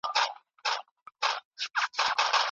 که لټي نه وي نو کار نه پاتیږي.